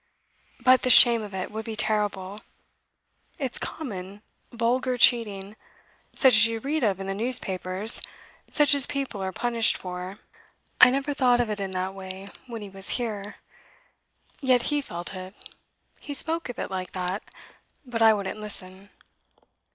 But the shame of it would be terrible. It's common, vulgar cheating such as you read of in the newspapers such as people are punished for. I never thought of it in that way when he was here. Yet he felt it. He spoke of it like that, but I wouldn't listen.